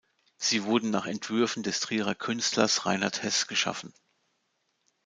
Sie wurden nach Entwürfen des Trierer Künstlers Reinhard Heß geschaffen.